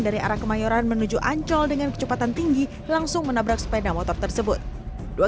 dari arah kemayoran menuju ancol dengan kecepatan tinggi langsung menabrak sepeda motor tersebut dua